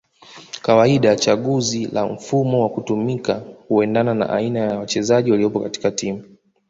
kawaida chaguzi la mfumo wa kutumika huendana na aina ya wachezaji waliopo katika timu